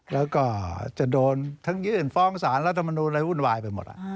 แล้วก็จะโดนทั้งยื่นฟ้องสารรัฐมนูลอะไรวุ่นวายไปหมด